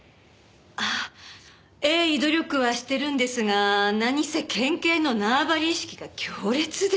ああ鋭意努力はしてるんですが何せ県警の縄張り意識が強烈で。